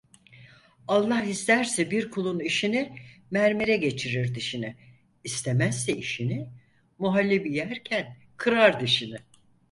Allah isterse bir kulun işini, mermere geçirir dişini; istemezse işini, muhallebi yerken kırar dişini.